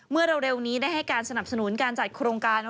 เร็วนี้ได้ให้การสนับสนุนการจัดโครงการ